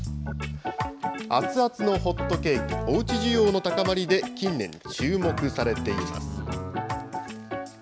熱々のホットケーキ、おうち需要の高まりで、近年注目されています。